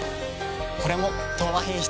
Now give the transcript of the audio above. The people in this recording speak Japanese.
これも「東和品質」。